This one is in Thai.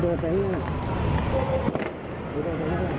เพราะตอนนี้ก็ไม่มีเวลาให้เข้าไปที่นี่